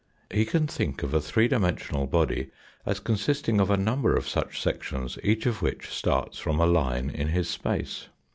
He can think of a three dimensional body as consisting of a number of such sections, each of which starts from a line in his space.